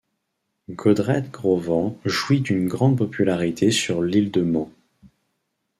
Godred Crovan jouit d'une grande popularité sur l'île de Man.